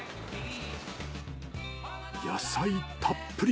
野菜たっぷり！